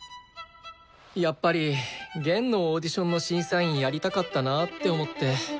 やっぱり弦のオーディションの審査員やりたかったなぁって思って。